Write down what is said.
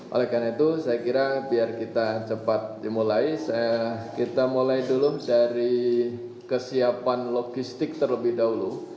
oleh karena itu saya kira biar kita cepat dimulai kita mulai dulu dari kesiapan logistik terlebih dahulu